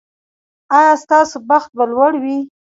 ایا ستاسو بخت به لوړ وي؟